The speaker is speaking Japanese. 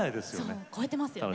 そう超えてますよね。